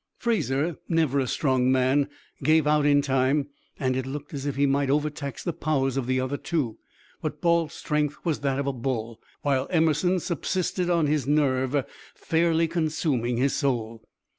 Fraser, never a strong man, gave out in time, and it looked as if he might overtax the powers of the other two, but Balt's strength was that of a bull, while Emerson subsisted on his nerve, fairly consuming his soul.